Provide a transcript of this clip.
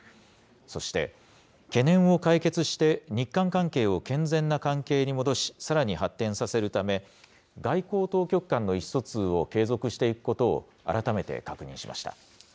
そして、懸念を解決して日韓関係を健全な関係に戻し、さらに発展させるため、外交当局間の意思疎通を継続していくことを改めて確認しました。